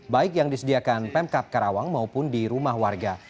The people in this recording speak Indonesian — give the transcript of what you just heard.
baik yang disediakan pemkap karawang maupun di rumah warga